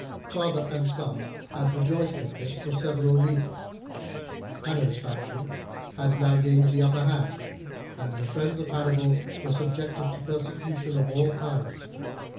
Father and son had rejoiced at this for several reasons. Hanno's faction had now gained the upper hand, and the friends of Hannibal were subjected to persecution of all kinds.